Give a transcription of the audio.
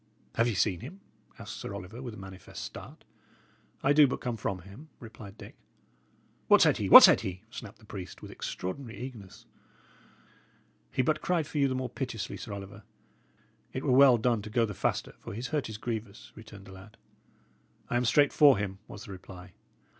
"Have ye seen him?" asked Sir Oliver, with a manifest start. "I do but come from him," replied Dick. "What said he? what said he?" snapped the priest, with extraordinary eagerness. "He but cried for you the more piteously, Sir Oliver. It were well done to go the faster, for his hurt is grievous," returned the lad. "I am straight for him," was the reply.